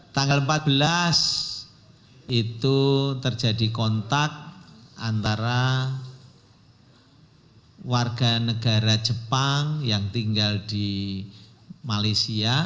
tanggal empat belas itu terjadi kontak antara warga negara jepang yang tinggal di malaysia